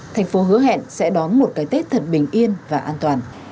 thành phố hứa hẹn sẽ đón một cái tết thật bình yên và an toàn